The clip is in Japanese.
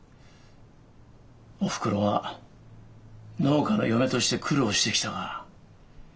おふくろは農家の嫁として苦労してきたが。